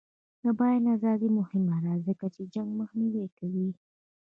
د بیان ازادي مهمه ده ځکه چې جنګ مخنیوی کوي.